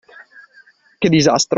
Che disastro.